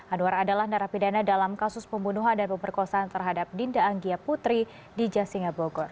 anwar adalah narapidana dalam kasus pembunuhan dan pemerkosaan terhadap dinda anggia putri di jasinga bogor